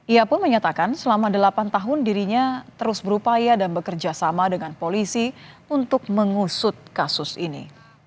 ia pun menyatakan selama delapan tahun dirinya terus berupaya dan bekerja sama dengan polisi untuk mengusut kasus ini